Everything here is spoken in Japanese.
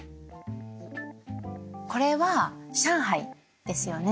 これは上海ですよね？